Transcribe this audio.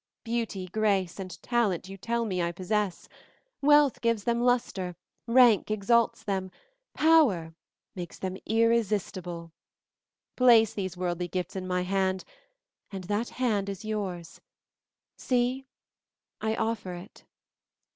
Beauty, grace, and talent you tell me I possess; wealth gives them luster, rank exalts them, power makes them irresistible. Place these worldly gifts in my hand and that hand is yours. See, I offer it."